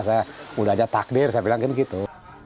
saya udah ada takdir saya bilang begini gitu